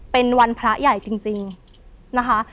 เป็นวันพระใหญ่จริงนะคะ